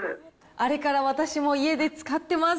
あれから私も家で使ってます。